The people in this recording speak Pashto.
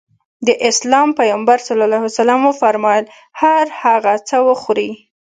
د اسلام پيغمبر ص وفرمايل هر هغه څه وخورې.